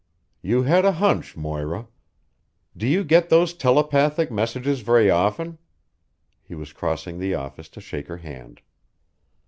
"You had a hunch, Moira. Do you get those telepathic messages very often?" He was crossing the office to shake her hand.